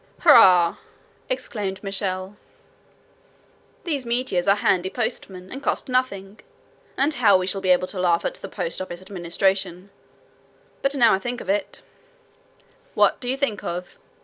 "Hurrah!" exclaimed Michel; "these meteors are handy postmen, and cost nothing. And how we shall be able to laugh at the post office administration! But now I think of it—" "What do you think of?"